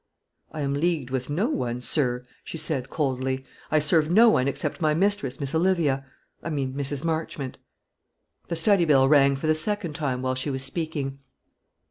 "I am leagued with no one, sir," she said, coldly. "I serve no one except my mistress, Miss Olivia I mean Mrs. Marchmont." The study bell rang for the second time while she was speaking.